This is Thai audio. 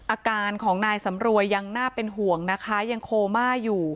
อาการของนายสำรวยยังน่าเป็นห่วงนะคะยังโคม่าอยู่